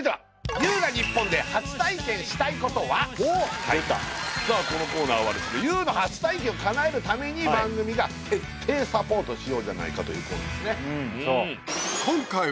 実はこのコーナーはですねＹＯＵの初体験を叶えるために番組が徹底サポートしようじゃないかというコーナーですね。